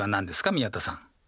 宮田さん。